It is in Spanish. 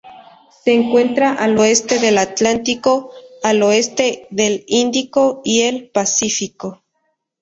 Se encuentra al oeste del Atlántico, al oeste del Índico y el Pacífico.